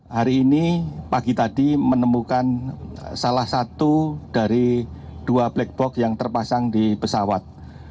hari ini pagi tadi menemukan salah satu dari dua black box yang terpasang di pesawat